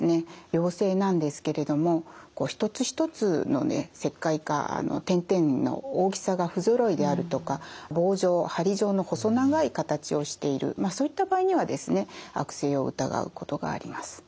良性なんですけれども一つ一つの石灰化点々の大きさが不ぞろいであるとか棒状・針状の細長い形をしているそういった場合にはですね悪性を疑うことがあります。